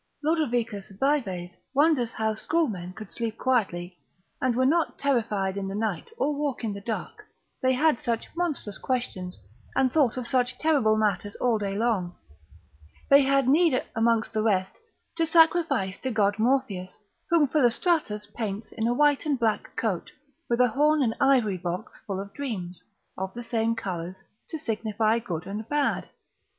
Lod. Vives wonders how schoolmen could sleep quietly, and were not terrified in the night, or walk in the dark, they had such monstrous questions, and thought of such terrible matters all day long. They had need, amongst the rest, to sacrifice to god Morpheus, whom Philostratus paints in a white and black coat, with a horn and ivory box full of dreams, of the same colours, to signify good and bad.